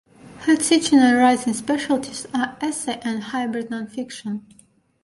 Her teaching and writing specialties are essay and hybrid nonfiction.